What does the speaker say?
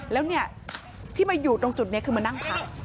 แล้วเนี่ยที่มาอยู่ตรงจุดนี้คือมานั่งพัก